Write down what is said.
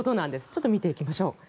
ちょっと見ていきましょう。